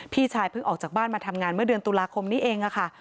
พี่ชายเพิ่งออกจากบ้านมาทำงานเมื่อเดือนตุลาคมนี้เองค่ะ